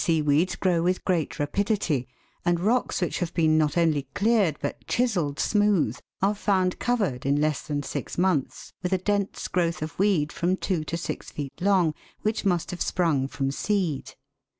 159 Many seaweeds grow with great rapidity, and rocks which have been not only cleared but chiselled smooth, are found covered in less than six months with a dense growth of weed from two to six feet long, which must have sprung from seed.